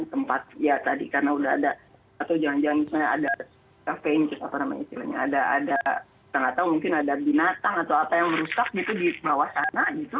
tempat ya tadi karena udah ada atau jangan jangan misalnya ada kafeng apa namanya istilahnya ada kita nggak tahu mungkin ada binatang atau apa yang merusak gitu di bawah sana gitu